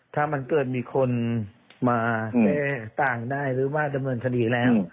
ถ้ามันเกิดมีคนมาแก้ต่างได้หรือว่าดำเนินคดีแล้ว